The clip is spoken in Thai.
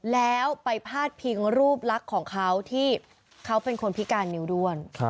แล้วไปพาดพิงรูปลักษณ์ของเขาที่เขาเป็นคนพิการนิ้วด้วน